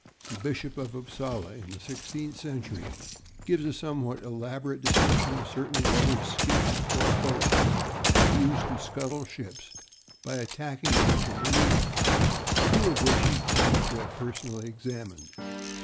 The Bishop of Upsala in the sixteenth century gives a somewhat elaborate description of certain leather skiffs or boats used to scuttle ships by attacking them from beneath, two of which he claims to have personally examined.